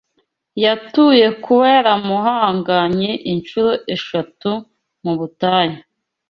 yatuye Kuba yaramuhanganye inshuro eshatu mu butayu